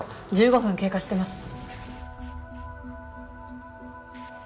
１５分経過してます。